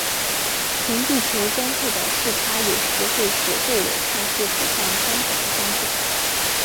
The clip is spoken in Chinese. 从地球观测的视差有时会使彗尾看似指向相反的方向。